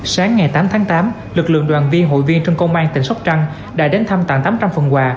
sáng ngày tám tháng tám lực lượng đoàn viên hội viên trong công an tỉnh sóc trăng đã đến thăm tặng tám trăm linh phần quà